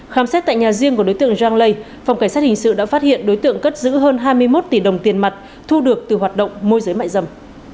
khám xét tại nhà riêng của đối tượng zhang lei phòng cảnh sát hình sự đã phát hiện đối tượng cất giữ hơn hai mươi một tỷ đồng tiền mặt thu được từ hoạt động môi giới mại dâm